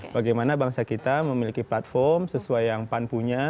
bagaimana bangsa kita memiliki platform sesuai yang pan punya